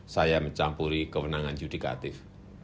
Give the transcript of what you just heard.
saya mencampuri kewenangan judikatif